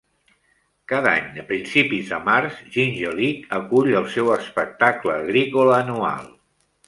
Cada any a principis de març Jingellic acull el seu espectacle agrícola anual.